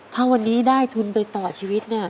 ถ้าวันนี้ได้ทุนไปต่อชีวิตเนี่ย